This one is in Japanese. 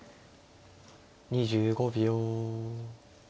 ２５秒。